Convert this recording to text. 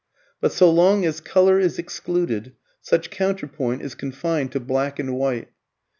But so long as colour is excluded, such counterpoint is confined to black and white.